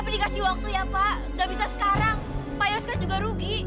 tapi dikasih waktu ya pak nggak bisa sekarang pak yos kan juga rugi